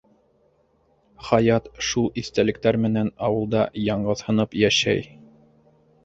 Хаят шул иҫтәлектәр менән ауылда яңғыҙһынып йәшәй.